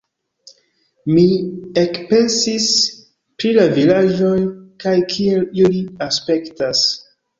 Mi ekpensis pri la vilaĝoj kaj kiel ili aspektas.